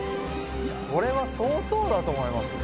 これは相当だと思いますよ。